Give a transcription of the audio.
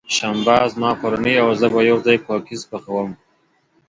شنبه، زما کورنۍ او زه به یوځای کوکیز پخوم.